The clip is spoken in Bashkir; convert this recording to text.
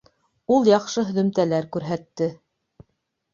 Ул яҡшы һөҙөмтәләр күрһәтте